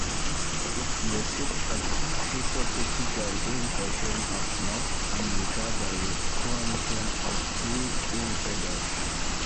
It depicts a hypothetical invasion of North America by a coalition of three invaders.